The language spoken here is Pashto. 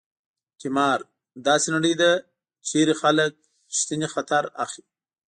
قمار: داسې نړۍ ده چېرې خلک ریښتینی خطر اخلي.